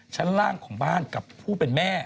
ชั้นล่างของบ้านกับผู้เป็นแม่